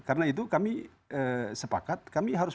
karena itu kami sepakat kami harus